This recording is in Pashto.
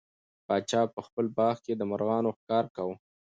پاچا په خپل باغ کې د مرغانو ښکار کاوه.